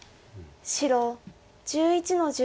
白１１の十。